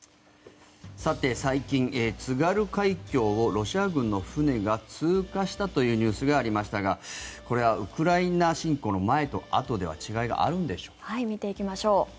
さて、最近津軽海峡をロシア軍の船が通過したというニュースがありましたがこれはウクライナ侵攻の前とあとでは見ていきましょう。